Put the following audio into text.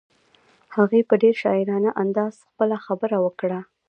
هغې په ډېر شاعرانه انداز خپله خبره وکړه.